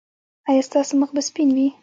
ایا ستاسو مخ به سپین وي؟